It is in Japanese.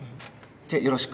じゃあよろしく。